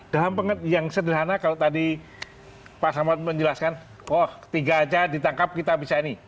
dalam yang sederhana kalau tadi pak samad menjelaskan oh ketiga aja ditangkap kita bisa ini